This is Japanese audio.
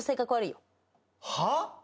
はあ！？